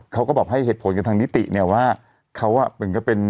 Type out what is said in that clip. เขาก็บอกให้เหตุผลกับทางนิติเนี่ยว่าเขาอ่ะเหมือนกับเป็น